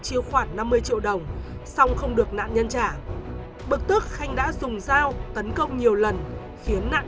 chiêu khoản năm mươi triệu đồng xong không được nạn nhân trả bực tức khanh đã dùng dao tấn công nhiều lần khiến nạn